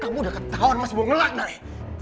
kamu udah ketahuan mas bunglak nay